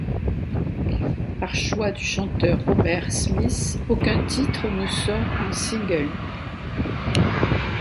Par choix du chanteur Robert Smith, aucun titre ne sort en single.